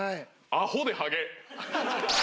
「アホでハゲ」？